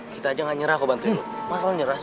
kita aja gak nyerah kok bantuin lo masalahnya nyerah sih